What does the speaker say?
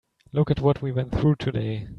Look at what we went through today.